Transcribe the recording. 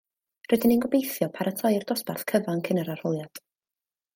Rydyn ni'n gobeithio paratoi'r dosbarth cyfan cyn yr arholiad